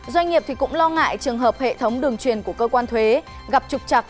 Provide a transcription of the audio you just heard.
doanh nghiệp cũng lo ngại trường hợp hệ thống đường truyền của cơ quan thuế gặp trục chặt